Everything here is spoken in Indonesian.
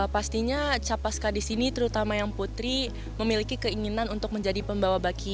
pastinya capaska di sini terutama yang putri memiliki keinginan untuk menjadi pembawa baki